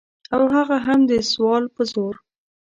او هغه هم د سوال په زور.